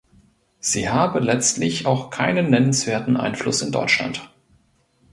Sie habe letztlich auch keinen „nennenswerten Einfluss“ in Deutschland.